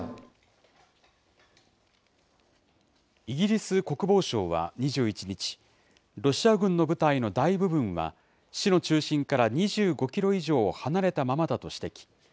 イギリス国防省は２１日、ロシア軍の部隊の大部分は、市の中心から２５キロ以上離れたままだと指摘。